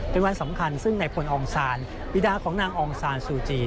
เป็นวันสำคัญซึ่งในพลองศาลวีรบรุษของนางองศาลซูจี